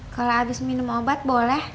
kalau habis minum obat boleh